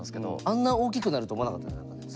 あんな大きくなると思わなかったんじゃない？